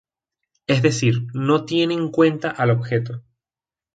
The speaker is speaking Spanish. Es decir, no tiene en cuenta al objeto.